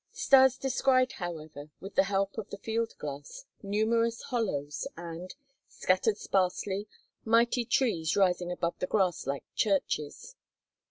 Stas descried, however, with the help of the field glass, numerous hollows and, scattered sparsely, mighty trees rising above the grass like churches.